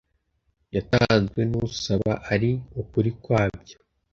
yatanzwe n’usaba ari ukuri kwabyo